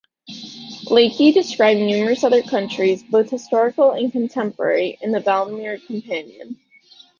Lackey described numerous other countries, both historical and "contemporary", in "The Valdemar Companion".